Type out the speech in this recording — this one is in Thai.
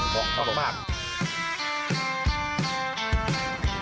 บอกเขามาก